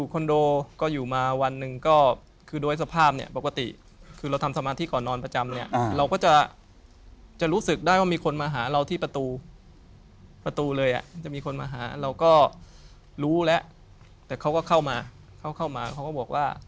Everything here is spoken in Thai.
ก็คือปกติไม่ได้น่ากลัว